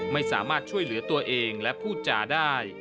ไม่สามารถช่วยเหลือตัวเองและพูดจาได้